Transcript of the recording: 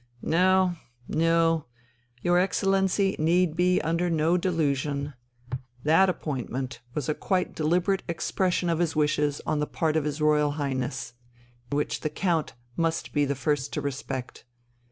No, no ... your Excellency need be under no delusion; that appointment was a quite deliberate expression of his wishes on the part of his Royal Highness, which the Count must be the first to respect.